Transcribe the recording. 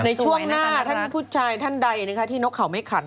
ในช่วงหน้าท่านผู้ชายท่านใดนะคะที่นกเขาไม่ขัน